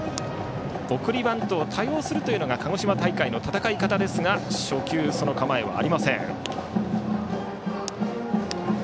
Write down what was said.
送りバントを多用するのが鹿児島大会での戦い方ですが初球、その構えはありません。